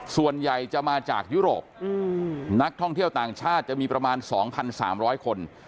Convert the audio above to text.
ส่วนใหญ่จะมาจากยุโรปนักท่องเที่ยวต่างชาติจะมีประมาณ๒๓๐๐คน